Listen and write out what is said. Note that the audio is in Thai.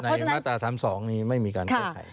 มาตรา๓๒นี้ไม่มีการแก้ไข